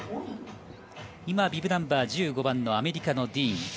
今、ビブナンバー１５番のアメリカのディーン。